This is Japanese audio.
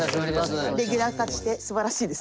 レギュラー化してすばらしいです。